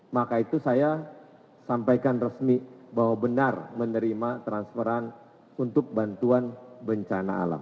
maka itu saya sampaikan resmi bahwa benar menerima transferan untuk bantuan bencana alam